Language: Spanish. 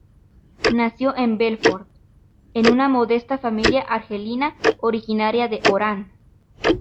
Nació en Belfort, en una modesta familia argelina originaria de Orán.